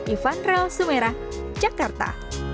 ivan rel sumerah jakarta